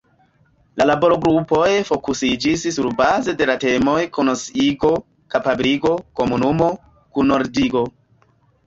La laborgrupoj fokusiĝis surbaze de la temoj konsciigo, kapabligo, komunumo, kunordigo.